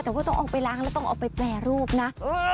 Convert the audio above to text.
แต่ว่าต้องเอาไปล้างแล้วต้องเอาไปแปรรูปนะ